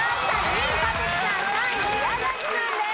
２位田渕さん３位宮崎さんです。